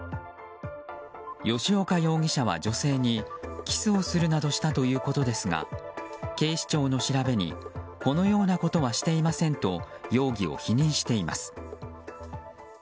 吉岡容疑者は女性にキスをするなどしたということですが警視庁の調べにこのようなことはしていませんと容疑を否認しています。